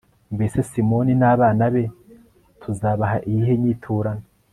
mbese simoni n'abana be tuzabaha iyihe nyiturano